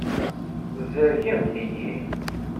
Tzerrgemt-iyi.